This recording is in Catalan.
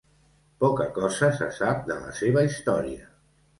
Poca cosa se sap de la seva història.